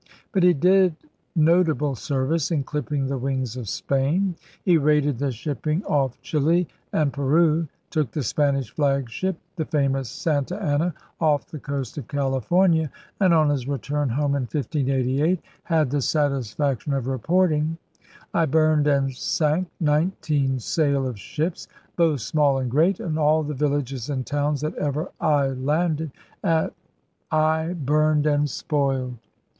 But he did notable service in clipping the wings of Spain. He raided the shipping off Chile and Peru, took the Spanish flagship, the famous Santa Anna, off the coast of California, and on his return home in 1588 had thf3 satisfaction of reporting: *I burned and sank nine teen sail of ships, both small and great; and all the villages and towns that ever I landed at I burned and spoiled.